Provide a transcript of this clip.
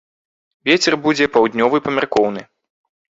Вецер будзе паўднёвы памяркоўны.